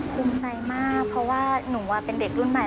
ภูมิใจมากเพราะว่าหนูเป็นเด็กรุ่นใหม่